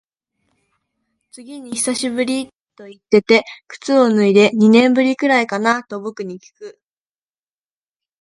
次に久しぶりと言ってて靴を脱いで、二年ぶりくらいかなと僕にきく。